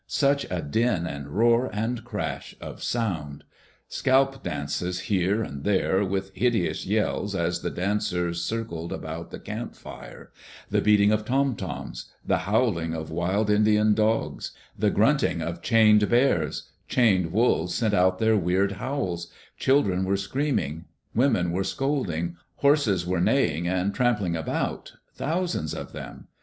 Such a din and roar and crash of sound 1 Scalp dances here and there, with hideous yells as the dancers Digitized by CjOOQ IC ADVENTURES IN THE YAKIMA VALLEY circled about the camp fire; the beating of tom toms; the howling of wild Indian dogs; the grunting of chained bears; chained wolves sent out their weird howls; children were screaming; women were scolding; horses were neigh ing and trampling about, thousands of them.